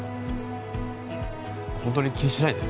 本当に気にしないで。